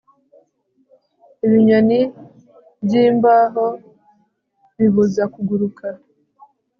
Ibinyoni byimbaho bibuza kuguruka